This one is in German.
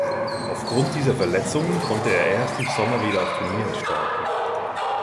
Aufgrund dieser Verletzungen konnte er erst im Sommer wieder auf Turnieren starten.